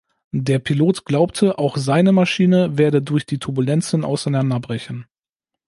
Der Pilot glaubte, auch seine Maschine werde durch die Turbulenzen auseinanderbrechen.